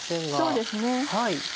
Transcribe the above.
そうですね。